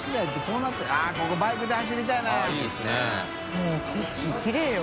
もう景色きれいよ